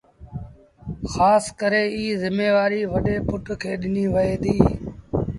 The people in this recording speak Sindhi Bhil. کآس ڪري ايٚ زميوآريٚ وڏي پُٽ کي ڏنيٚ وهي ديٚ